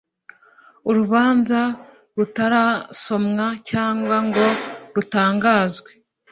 urubanza rutarasomwa cyangwa ngo rutangazwe